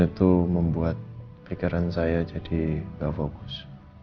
itu membuat pikiran saya jadi nggak fokus